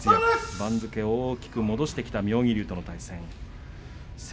番付、大きく戻してきた妙義龍との対戦です。